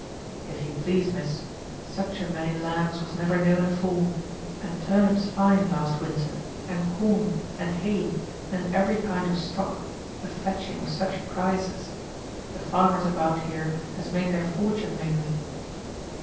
"If you please, Miss, such a many lambs was never known afore, and turnips fine last winter, and corn, and hay, and every kind of stock, a fetching of such prices. The farmers about here has made their fortune mainly."